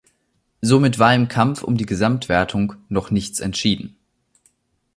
Somit war im Kampf um die Gesamtwertung noch nichts entschieden.